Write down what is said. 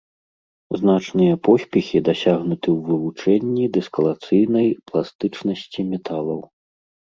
Значныя поспехі дасягнуты ў вывучэнні дыслакацыйнай пластычнасці металаў.